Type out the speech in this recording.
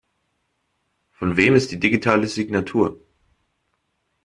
Von wem ist die digitale Signatur?